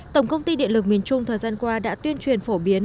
tổng công ty điện lực miền trung thời gian qua đã tuyên truyền phổ biến